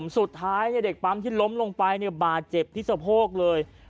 สุดท้ายเด็กปั๊มที่ล้มลงไปบาดเจ็บที่สะโพกเลย